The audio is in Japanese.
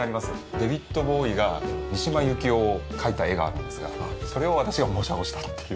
デヴィッド・ボウイが三島由紀夫を描いた絵があるんですがそれを私が模写をしたっていう。